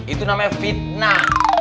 itu namanya fitnah